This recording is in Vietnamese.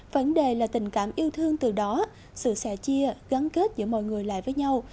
vấn đề là tình cảm yêu thương từ đó sự sẻ chia gắn kết giữa mọi người lại với nhau